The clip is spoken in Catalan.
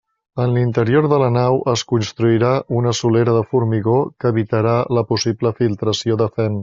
En l'interior de la nau es construirà una solera de formigó que evitarà la possible filtració de fem.